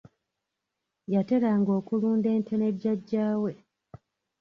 Yateranga okulunda ente ne jjajja we.